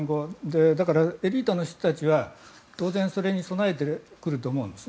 エリートの人たちは当然、それに備えてくると思うんです。